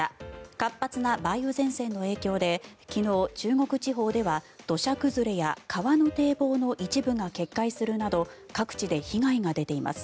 活発な梅雨前線の影響で昨日、中国地方では土砂崩れや川の堤防の一部が決壊するなど各地で被害が出ています。